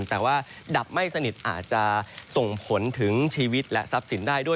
แต่ว่าดับไม่สนิทอาจจะส่งผลถึงชีวิตและทรัพย์สินได้ด้วย